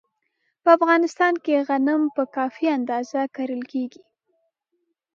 په افغانستان کې غنم په کافي اندازه کرل کېږي.